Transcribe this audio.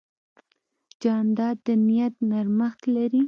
جانداد د نیت نرمښت لري.